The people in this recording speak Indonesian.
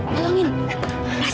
yang sepupu banget